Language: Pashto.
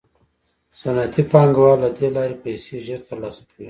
صنعتي پانګوال له دې لارې پیسې ژر ترلاسه کوي